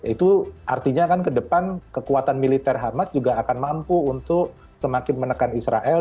itu artinya kan ke depan kekuatan militer hamas juga akan mampu untuk semakin menekan israel